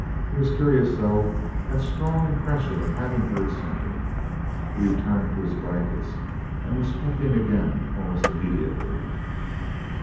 It was curious, though that strong impression of having heard something. He returned to his blankets and was puffing again almost immediately.